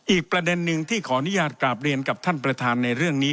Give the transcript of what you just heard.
อีกประเด็นหนึ่งที่ขออนุญาตกราบเรียนกับท่านประธานในเรื่องนี้